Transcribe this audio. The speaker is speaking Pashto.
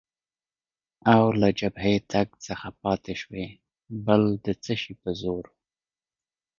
او له جبهې تګ څخه پاتې شوې، بل د څه شي په زور؟